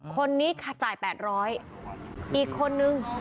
คนนี้จ่าย๘๐๐อีกคนนึง